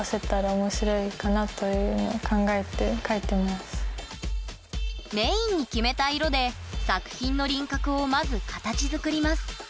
全然メインに決めた色で作品の輪郭をまず形づくります。